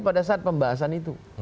pada saat pembahasan itu